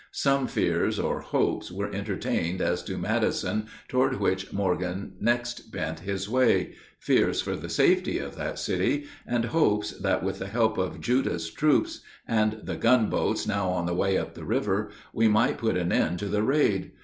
Some fears, or hopes, were entertained as to Madison, toward which Morgan next bent his way fears for the safety of that city, and hopes that, with the help of Judah's troops and the gunboats now on the way up the river, we might put an end to the raid.